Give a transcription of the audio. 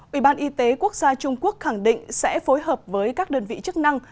ủy ban y tế quốc gia trung quốc khẳng định sẽ phối hợp với các đơn vị chức năng